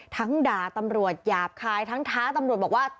ด่าตำรวจหยาบคายทั้งท้าตำรวจบอกว่า